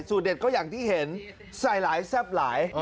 เด็ดก็อย่างที่เห็นใส่หลายแซ่บหลาย